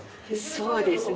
そうですね。